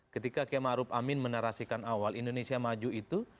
ketika kema arub amin menarasikan awal indonesia maju itu